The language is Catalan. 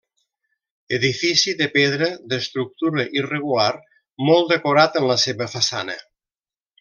Edifici de pedra d'estructura irregular molt decorat en la seva façana.